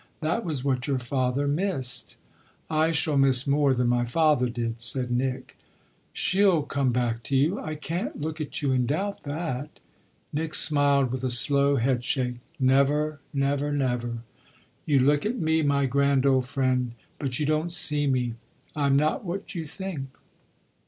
That was what your father missed." "I shall miss more than my father did," said Nick. "Shell come back to you I can't look at you and doubt that." Nick smiled with a slow headshake. "Never, never, never! You look at me, my grand old friend, but you don't see me. I'm not what you think."